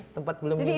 tempat belum diimpan